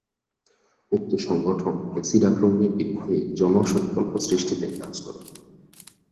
উক্ত সংগঠন এসিড আক্রমণের বিরুদ্ধে জনসচেতনতা সৃষ্টিতে কাজ করে।